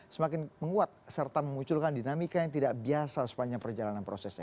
semakin menguat serta memunculkan dinamika yang tidak biasa sepanjang perjalanan prosesnya